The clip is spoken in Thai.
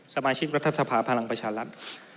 สมาชิกรัฐสภาพลังประชารัฐ